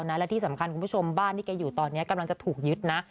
และที่สำคัญคุณผู้ชมบ้านที่แกอยู่ตอนนี้กำลังจะถูกยึดนะ